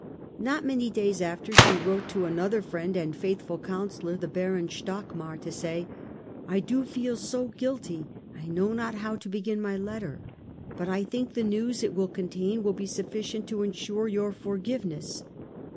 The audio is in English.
Not many days after she wrote to another friend and faithful counsellor, the Baron Stockmar, to say, ' I do feel so guilty I know not how to begin my letter ; but I think the news it will contain will be sufficient to ensure your forgiveness.